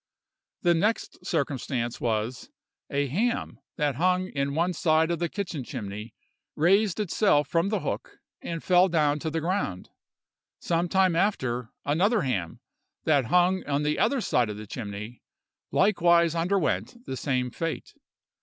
"The next circumstance was, a ham that hung in one side of the kitchen chimney raised itself from the hook and fell down to the ground. Some time after, another ham, that hung on the other side of the chimney, likewise underwent the same fate.